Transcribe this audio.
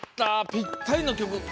ぴったりの曲。